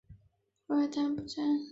纹理映射单元的部件。